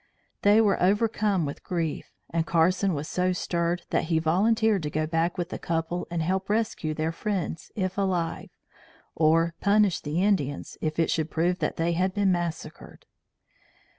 They were overcome with grief, and Carson was so stirred that he volunteered to go back with the couple and help rescue their friends if alive, or punish the Indians, if it should prove that they had been massacred.